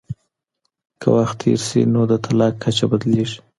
که وخت تېر سي نو د طلاق کچه بدلیږي.